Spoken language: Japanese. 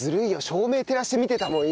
照明照らして見てたもん